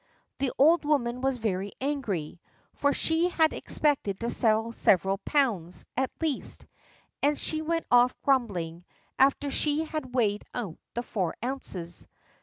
The old woman was very angry, for she had expected to sell several pounds, at least; and she went off grumbling, after she had weighed out the four ounces.